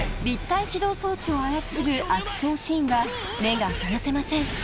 ［立体機動装置を操るアクションシーンは目が離せません］